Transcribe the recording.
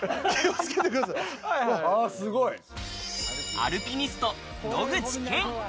アルピニスト・野口健。